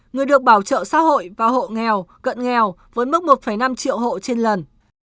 người được bảo trợ xã hội và hộ nghèo cận nghèo với mức một năm triệu hộ trên lần